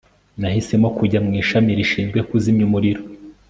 nahisemo kujya mu ishami rishinzwe kuzimya umuriro